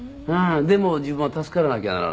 でも自分は助からなきゃならないし。